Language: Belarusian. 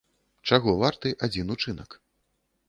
Чаго варты адзін учынак?